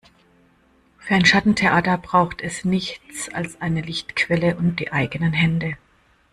Für ein Schattentheater braucht es nichts als eine Lichtquelle und die eigenen Hände.